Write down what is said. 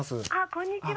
こんにちは。